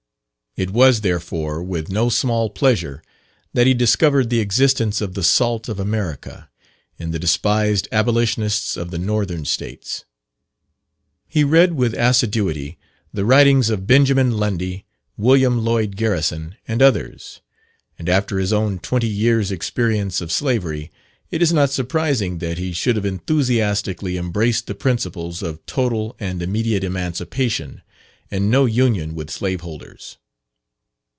It was, therefore, with no small pleasure that he discovered the existence of the salt of America, in the despised Abolitionists of the Northern States. He read with assiduity the writings of Benjamin Lundy, William Lloyd Garrison, and others; and after his own twenty years' experience of slavery, it is not surprising that he should have enthusiastically embraced the principles of "total and immediate emancipation," and "no union with slaveholders."